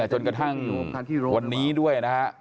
จนกระทั่งวันนี้ด้วยนะฮะ